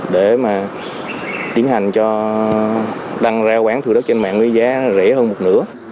để mà tiến hành cho đăng ra quán thừa đất trên mạng với giá rẻ hơn một nửa